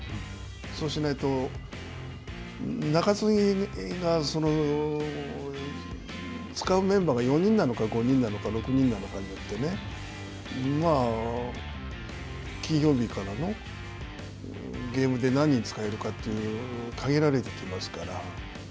そうしないと、中継ぎが使うメンバーが４人なのか、５人なのか、６人なのかによってね、金曜日からのゲームで何人使えるかという、限られてきますから。